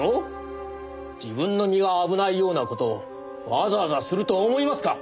自分の身が危ないような事をわざわざすると思いますか？